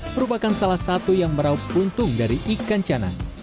merupakan salah satu yang merauh untung dari ikan ciana